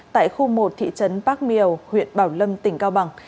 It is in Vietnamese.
tại khu một thị trấn park myo huyện bảo lâm tỉnh cao bằng